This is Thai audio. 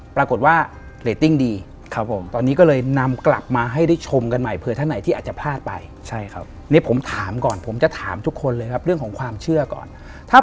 พี่ก็กินแบบพี่แจ๊กนะครับ